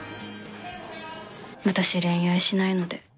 私、恋愛しないので。